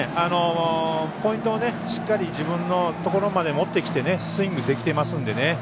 ポイントをしっかり自分のところまで持ってきてスイングできてますので。